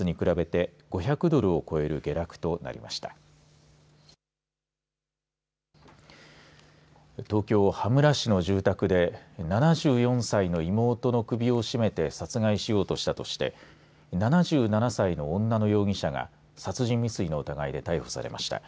東京、羽村市の住宅で７４歳の妹の首を絞めて殺害しようとしたとして７７歳の女の容疑者が殺人未遂の疑いで逮捕されました。